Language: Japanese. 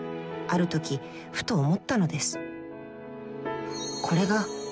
ある時ふと思ったのです。